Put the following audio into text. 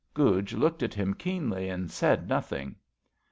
Guj looked at him keenly and said nothing.